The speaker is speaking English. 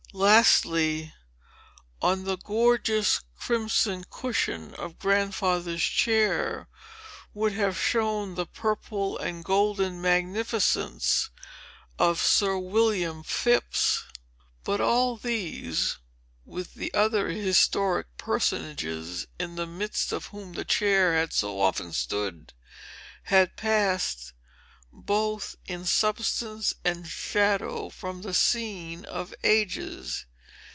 Lastly, on the gorgeous crimson cushion of Grandfather's chair, would have shone the purple and golden magnificence of Sir William Phips. But, all these, with the other historic personages, in the midst of whom the chair had so often stood, had passed, both in substance and shadow, from the scene of ages.